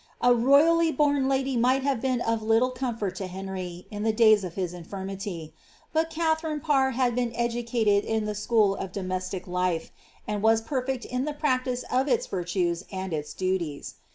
A royally bora lady might have been of tittle comfort to Henry, in the days of hia nfiimiiy ; but Katharine Parr hod been educated in the school of do MiUc life, and was perfect in the practice of ita virtues and its duli«s.